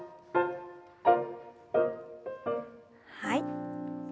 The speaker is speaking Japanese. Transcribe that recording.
はい。